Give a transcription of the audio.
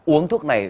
uống thuốc này